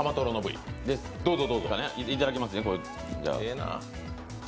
いただきますね。